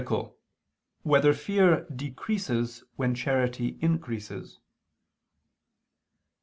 10] Whether Fear Decreases When Charity Increases?